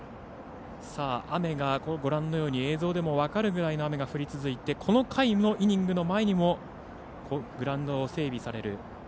雨がご覧のように映像でも分かるぐらいの雨が降り続いてこの回のイニングの前にもグラウンドが整備される